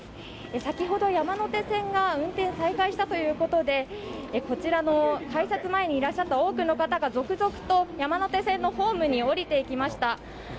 先ほど山手線が運転を再開したということでこちらの改札前にいらっしゃった多くの方が続々と山手線のホームに降りていきました